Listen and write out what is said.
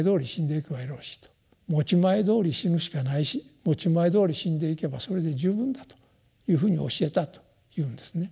「持ち前どおり死ぬしかないし持ち前どおり死んでいけばそれで十分だ」というふうに教えたというんですね。